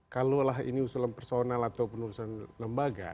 kalau ini usulan personal atau penulisan lembaga